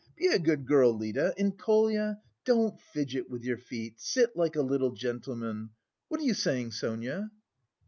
Be a good girl, Lida, and, Kolya, don't fidget with your feet; sit like a little gentleman. What are you saying, Sonia?"